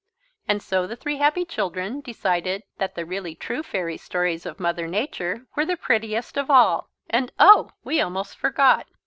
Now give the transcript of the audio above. And so the three happy children decided that the really true fairy stories of Mother Nature were the prettiest of all. And oh we almost forgot!